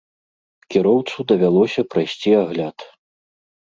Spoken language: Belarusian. Кіроўцу давялося прайсці агляд.